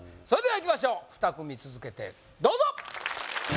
それではいきましょう２組続けてどうぞ！